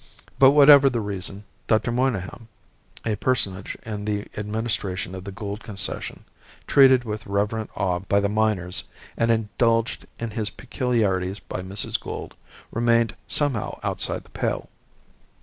But whatever the reason, Dr. Monygham, a personage in the administration of the Gould Concession, treated with reverent awe by the miners, and indulged in his peculiarities by Mrs. Gould, remained somehow outside the pale.